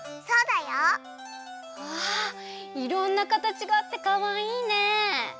そうだよ！わあいろんなかたちがあってかわいいね。